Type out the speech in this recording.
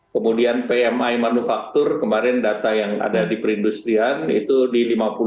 kemudian pmi manufaktur kemarin data yang ada di perindustrian itu di lima puluh delapan